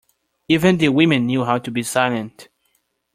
Even the women knew how to be silent.